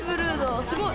すごい。